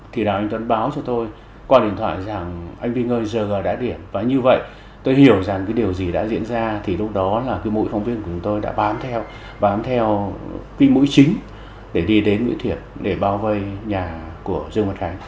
thì đào anh tuấn báo cho tôi qua điện thoại rằng anh vinh ơi giờ đã điểm và như vậy tôi hiểu rằng cái điều gì đã diễn ra thì lúc đó là cái mũi phòng viên của chúng tôi đã bám theo bám theo cái mũi chính để đi đến nguyễn thiệt để bao vây nhà của dương văn khánh